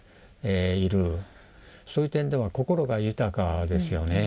そういう点では心が豊かですよね。